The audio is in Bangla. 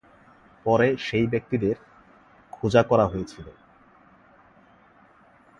পরে সেই ব্যক্তিদের খোজা করা হয়েছিল।